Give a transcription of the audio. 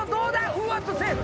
うわっセーフ！